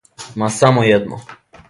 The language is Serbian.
Ма само једно.